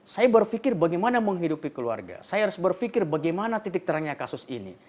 saya berpikir bagaimana menghidupi keluarga saya harus berpikir bagaimana titik terangnya kasus ini